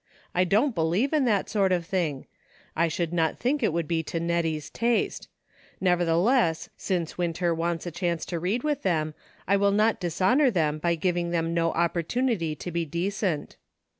I don't believe in that sort of thing ; I should not think it would be to Net tie's taste. Nevertheless, since Winter wants a chance to read with them, I will not dishonor them by giving them no opportunity to be decent."